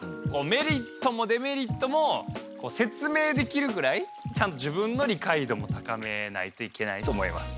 メリットもデメリットも説明できるぐらいちゃんと自分の理解度も高めないといけないと思います。